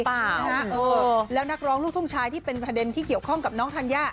เออนะฮะเออแล้วนักร้องลูกทุ่งชายที่เป็นประเด็นที่เกี่ยวข้องกับน้องธัญญา